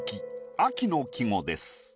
秋の季語です。